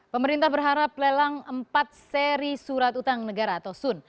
pemerintah berharap lelang empat seri surat utang negara atau sun